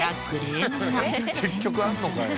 結局あんのかい。